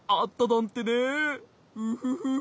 フフフフ。